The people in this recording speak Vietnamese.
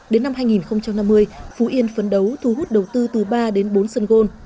đến năm hai nghìn năm mươi phú yên phấn đấu thu hút đầu tư từ ba đến bốn sân gôn